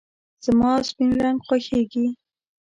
زما سپین رنګ خوښېږي .